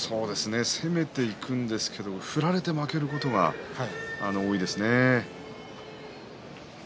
攻めていくんですけど振られて負けることが多いですね。